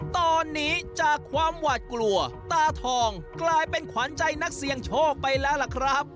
ตอนนี้จากความหวาดกลัวตาทองกลายเป็นขวัญใจนักเสี่ยงโชคไปแล้วล่ะครับ